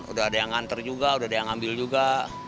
udah ada yang nganter juga udah ada yang ambil juga